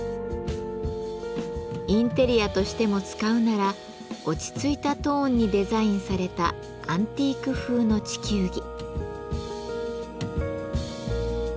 インテリアとしても使うなら落ち着いたトーンにデザインされたアンティーク風の地球儀。